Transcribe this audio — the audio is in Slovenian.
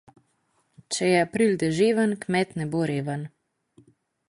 Če je april deževen, kmet ne bo reven.